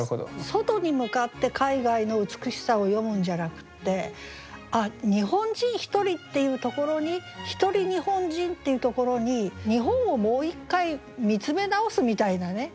外に向かって海外の美しさを詠むんじゃなくて日本人１人っていうところに「ひとり日本人」っていうところに日本をもう一回見つめ直すみたいなね。